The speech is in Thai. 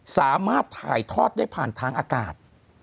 สามารถถ่ายทอดได้ผ่านทางอากาศ